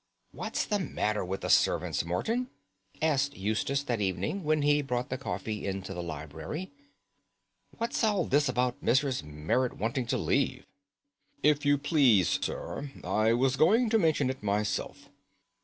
"What's the matter with the servants, Morton?" asked Eustace that evening when he brought the coffee into the library. "What's all this about Mrs. Merrit wanting to leave?" "If you please, sir, I was going to mention it myself.